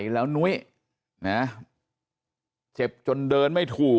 แล้วก็ยัดลงถังสีฟ้าขนาด๒๐๐ลิตร